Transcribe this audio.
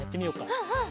うんうん。